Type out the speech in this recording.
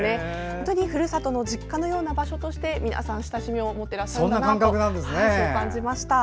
本当にふるさとの実家のような場所として皆さん親しみを持っていらっしゃるんだと感じました。